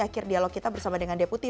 akhir dialog kita bersama dengan deputi